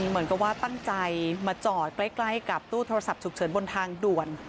เหมือนกับว่าตั้งใจมาจอดใกล้กับตู้โทรศัพท์ฉุกเฉินบนทางด่วน